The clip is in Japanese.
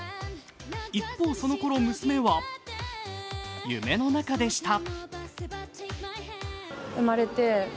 一方、その頃、娘は夢の中でした。